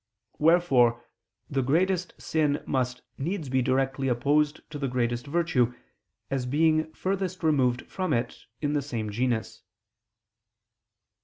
Wherefore the greatest sin must needs be directly opposed to the greatest virtue, as being furthest removed from it in the same genus.